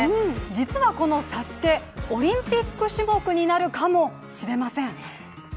実はこの「ＳＡＳＵＫＥ」、オリンピック種目になるかもしれません。